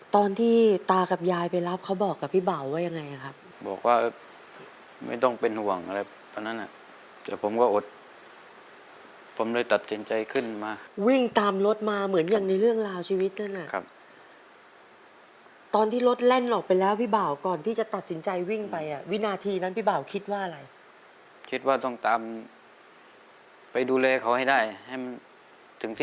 ตอนที่ตากับยายไปรับเขาบอกกับพี่บ่าวว่ายังไงครับบอกว่าไม่ต้องเป็นห่วงอะไรตอนนั้นอ่ะแต่ผมก็อดผมเลยตัดสินใจขึ้นมาวิ่งตามรถมาเหมือนอย่างในเรื่องราวชีวิตนั่นแหละครับตอนที่รถแล่นออกไปแล้วพี่บ่าวก่อนที่จะตัดสินใจวิ่งไปอ่ะวินาทีนั้นพี่บ่าวคิดว่าอะไรคิดว่าต้องตามไปดูแลเขาให้ได้ให้มันถึงที่